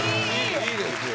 いいですよ。